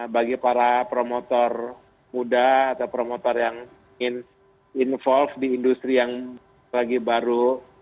bagi para promotor muda atau promotor yang ingin involve di industri yang lagi baru